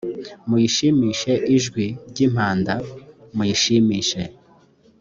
muyishimishe ijwi ry impanda muyishimishe